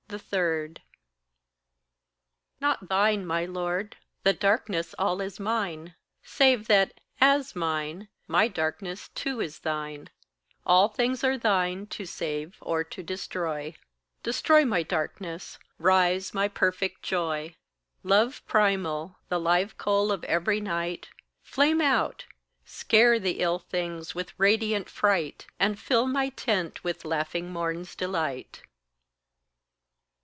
3. Not thine, my Lord, the darkness all is mine Save that, as mine, my darkness too is thine: All things are thine to save or to destroy Destroy my darkness, rise my perfect joy; Love primal, the live coal of every night, Flame out, scare the ill things with radiant fright, And fill my tent with laughing morn's delight.